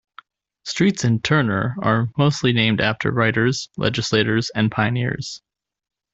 Streets in Turner are mostly named after writers, legislators and pioneers.